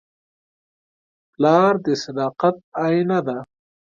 پلار د صداقت آیینه ده.